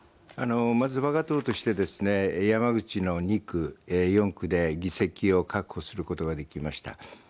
まずわが党として山口の２区、４区で議席を確保することができました。